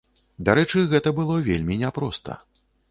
Дарэчы, гэта было вельмі няпроста.